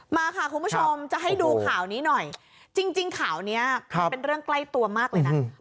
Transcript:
มาค่ะคุณผู้ชมจะให้ดูข่าวนี้หน่อยจริงข่าวนี้เป็นเรื่องใกล้ตัวมากเลยนะ